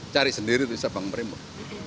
cari sendiri siapa yang merimut